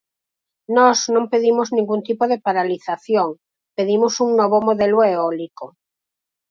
Nós non pedimos ningún tipo de paralización, pedimos un novo modelo eólico.